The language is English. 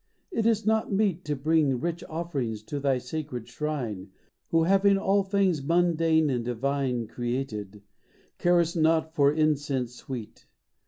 — It is not meet To bring rich offerings to Thy sacred shrine Who, having all things mundane and divine Created, carest not for incense sweet.